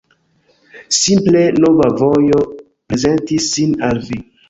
Simple, nova vojo prezentis sin al vi.